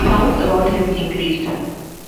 The sounds about him increased.